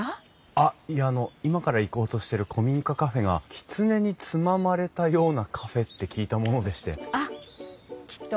あっいやあの今から行こうとしてる古民家カフェがきつねにつままれたようなカフェって聞いたものでして。